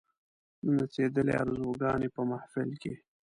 نڅېدلې آرزوګاني په محفل کښي